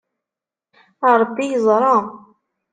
Ṛebbi yeẓṛa.